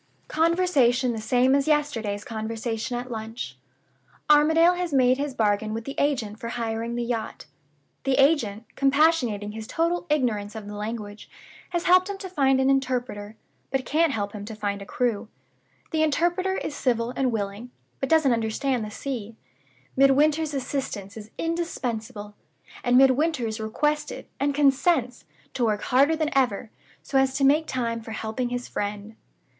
"Conversation the same as yesterday's conversation at lunch. Armadale has made his bargain with the agent for hiring the yacht. The agent (compassionating his total ignorance of the language) has helped him to find an interpreter, but can't help him to find a crew. The interpreter is civil and willing, but doesn't understand the sea. Midwinter's assistance is indispensable; and Midwinter is requested (and consents!) to work harder than ever, so as to make time for helping his friend.